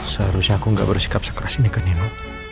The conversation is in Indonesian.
seharusnya aku gak bersikap sekeras ini ke nino